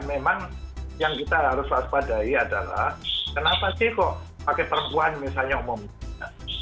memang yang kita harus waspadai adalah kenapa sih kok pakai perempuan misalnya umumnya